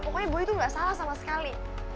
pokoknya buah itu nggak salah sama sekali